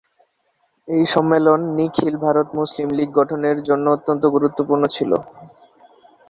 এই সম্মেলন নিখিল ভারত মুসলিম লীগ গঠনের জন্য অত্যন্ত গুরুত্বপূর্ণ ছিল।